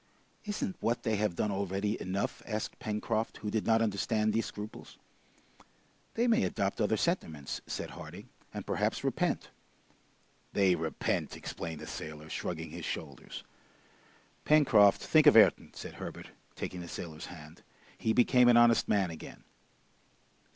"Isn't what they have done already enough?" asked Pencroft, who did not understand these scruples. "They may adopt other sentiments!" said Harding, "and perhaps repent." "They repent!" exclaimed the sailor, shrugging his shoulders. "Pencroft, think of Ayrton!" said Herbert, taking the sailor's hand. "He became an honest man again!"